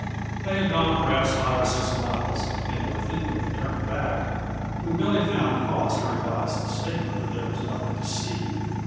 They had gone perhaps five or six miles and were thinking of turning back, when Billy found cause to revise his statement that there was nothing to see.